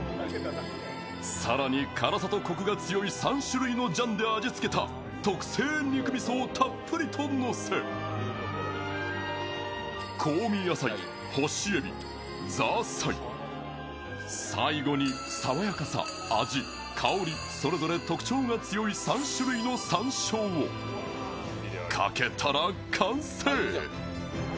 更に、辛さとコクが強い３種類のジャンで味付けた特製肉味噌をたっぷりとのせ、香味野菜、干しエビ、ザーサイ最後に爽やかさ、味、香り、それぞれ特徴が強い３種類の山椒をかけたら完成。